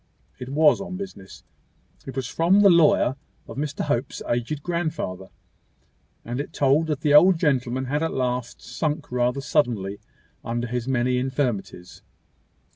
It was on business. It was from the lawyer of Mr Hope's aged grandfather; and it told that the old gentleman had at last sunk rather suddenly under his many infirmities.